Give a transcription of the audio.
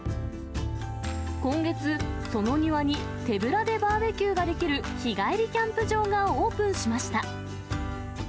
今月、その庭に手ぶらでバーベキューができる、日帰りキャンプ場がオープンしました。